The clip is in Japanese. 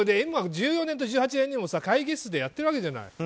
１４年と１８年にも会議室でやってるわけじゃない。